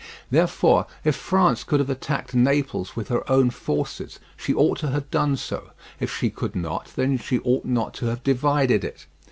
Therefore, if France could have attacked Naples with her own forces she ought to have done so; if she could not, then she ought not to have divided it.